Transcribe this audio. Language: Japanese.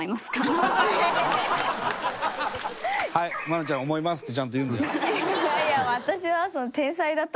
愛菜ちゃん「思います」ってちゃんと言うんだよ。